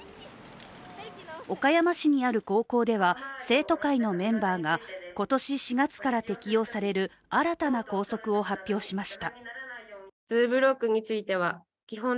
岡山市にある高校では、生徒会のメンバーが今年４月から適用される新たな校則を発表しました。